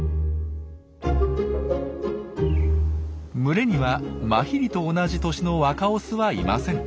群れにはマヒリと同じ年の若オスはいません。